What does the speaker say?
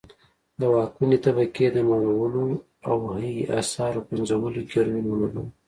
د واکمنې طبقې د مړولو او هي اثارو پنځولو کې رول ولوباوه.